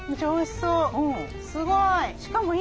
おいしそう。